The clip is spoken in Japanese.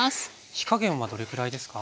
火加減はどれくらいですか？